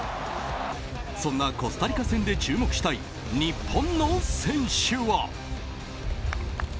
そんなコスタリカ戦で注目したい日本の選手は。